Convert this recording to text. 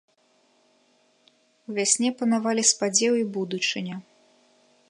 У вясне панавалі спадзеў і будучыня.